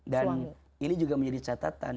dan ini juga menjadi catatan